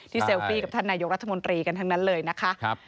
เซลฟี่กับท่านนายกรัฐมนตรีกันทั้งนั้นเลยนะคะ